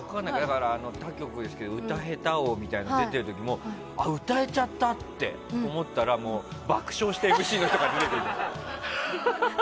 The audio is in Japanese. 他局ですけど「歌下手王」っていうのに出た時も歌えちゃったって思ったら爆笑してＭＣの人が出てくるの。